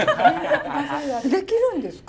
できるんですか？